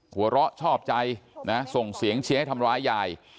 หัวเราะชอบใจนะส่งเสียงเชียร์ให้ทำร้ายยาย